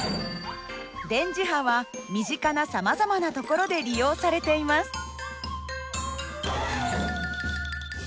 電磁波は身近なさまざまなところで利用されています。